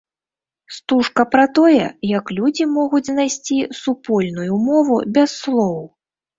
Стужка пра тое, як людзі могуць знайсці супольную мову без слоў.